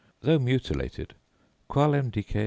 Though mutilated 'qualem dices..